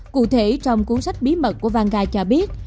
cụ thể trong cuốn sách bí mật của vang cho biết